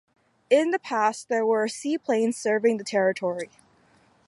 In the past there were seaplanes serving the territory.